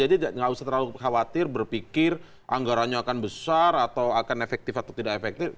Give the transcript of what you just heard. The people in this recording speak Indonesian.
jadi tidak usah terlalu khawatir berpikir anggarannya akan besar atau akan efektif atau tidak efektif